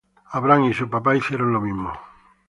Abraham y su papá hicieron lo mismo.